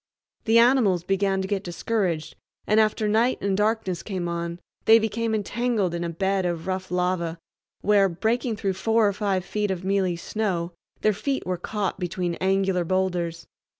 The animals began to get discouraged, and after night and darkness came on they became entangled in a bed of rough lava, where, breaking through four or five feet of mealy snow, their feet were caught between angular boulders.